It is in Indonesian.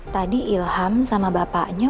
tadi ilham sama bapaknya